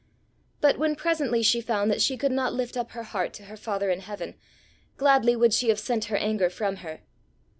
But when presently she found that she could not lift up her heart to her father in heaven, gladly would she have sent her anger from her.